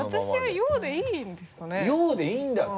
陽でいいんだって。